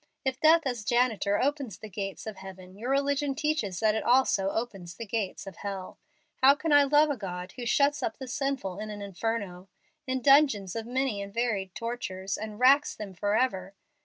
If death as janitor opens the gates of heaven, your religion teaches that it also opens the gates of hell. How can I love a God who shuts up the sinful in an inferno in dungeons of many and varied tortures, and racks them forever?